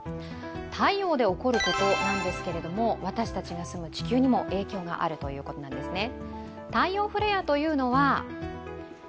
太陽で起こることなんですけれども、私たちが住む地球にも影響があるということなんですね。